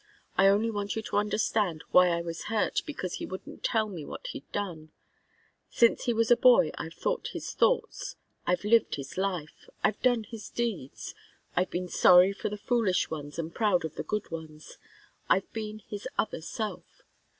I only want you to understand why I was hurt because he wouldn't tell me what he'd done. Since he was a boy I've thought his thoughts, I've lived his life, I've done his deeds I've been sorry for the foolish ones and proud of the good ones I've been his other self.